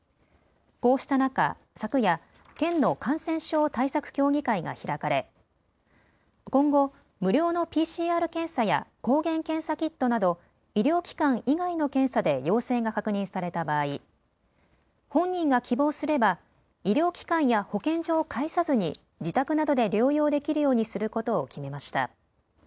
こうした中、昨夜、県の感染症対策協議会が開かれ今後、無料のＰＣＲ検査や抗原検査キットなど医療機関以外の検査で陽性が確認された場合、本人が希望すれば医療機関や保健所を介さずに自宅などで療養できるようにすることを決めました。